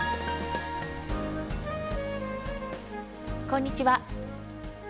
こんにちは。